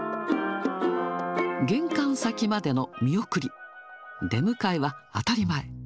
玄関先までの見送り、出迎えは当たり前。